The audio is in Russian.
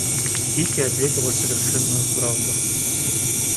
Кити ответила совершенную правду.